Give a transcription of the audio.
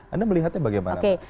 anda melihatnya bagaimana